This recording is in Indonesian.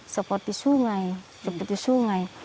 seperti sungai seperti sungai